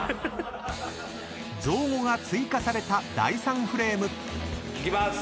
［造語が追加された第３フレーム］いきます。